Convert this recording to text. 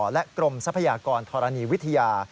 และกรมทรัพยากรธรณีวิทยา